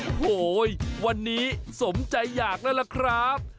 โอ้โฮวันนี้สมใจอยากนั่นแหละครับ